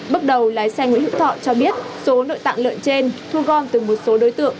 bước đầu lái xe nguyễn hữu thọ cho biết số nội tạng lợn trên thu gom từ một số đối tượng